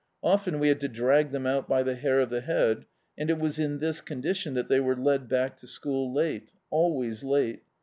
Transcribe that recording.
Often we had to drag them out by the hair of the head, and it was in this condition that they were led back to school late — always late.